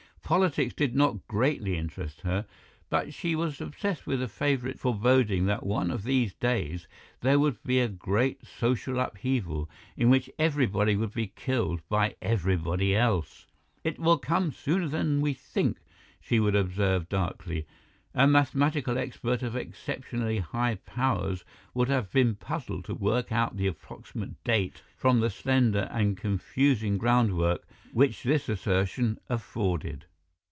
Politics did not greatly interest her, but she was obsessed with a favourite foreboding that one of these days there would be a great social upheaval, in which everybody would be killed by everybody else. "It will come sooner than we think," she would observe darkly; a mathematical expert of exceptionally high powers would have been puzzled to work out the approximate date from the slender and confusing groundwork which this assertion afforded.